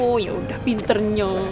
oh ya udah pinternya